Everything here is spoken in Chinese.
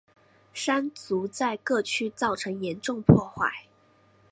山竹在各区造成严重破坏。